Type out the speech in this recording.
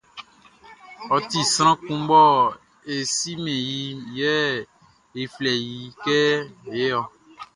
Ɔ ti sran kun mɔ e simɛn iʼn, yɛ e flɛ i kɛ hey.